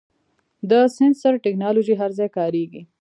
د سنسر ټکنالوژي هر ځای کارېږي.